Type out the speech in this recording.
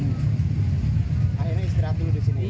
akhirnya istirahat dulu di sini